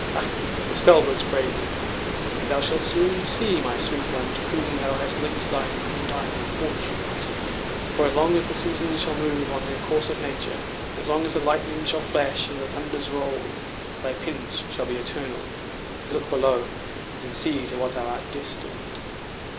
Ha! the spell works bravely, and thou shall soon see, my sweet one, to whom thou hast linked thine undying fortunes, for as long as the seasons shall move on their course of nature—as long as the lightning shall flash, and the thunders roll, thy penance shall be eternal. Look below! and see to what thou art destined.'